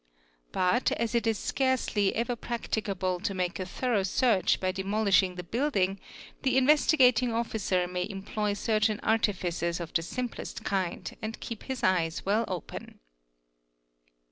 But as it is scarcely ever _ practicable to make a thorough search by demolishing the building, the Investigating Officer may employ certain artifices of the simplest kind and keep his eyes well open.